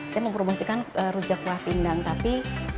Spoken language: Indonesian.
saya mempromosikan rujak kuah pindang tapi